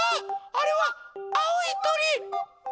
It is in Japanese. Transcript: あれはあおいとり！